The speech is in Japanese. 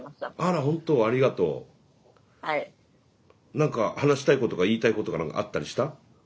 何か話したいこととか言いたいことが何かあったりした？